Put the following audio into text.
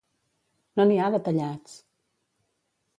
No n'hi ha de tallats!